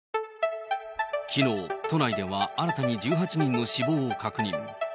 きのう、都内では新たに１８人の死亡を確認。